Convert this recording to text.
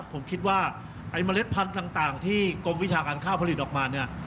ผมคิดว่าไอ้เมล็ดพันธุ์ต่างที่กรมวิชาการข้าวผลิตออกมาเนี่ย